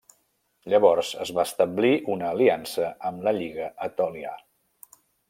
Llavors es va establir una aliança amb la Lliga Etòlia.